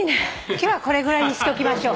今日はこれぐらいにしておきましょう。